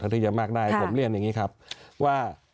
ที่จะมากได้ผมเรียนอย่างนี้ครับว่า